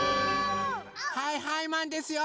はいはいマンですよ！